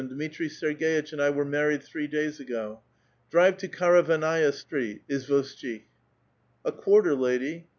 ^^^itri Serg^itch and I were married three days ago. Drive Karavannaia Street, Izvoshchik." A quarter, lady."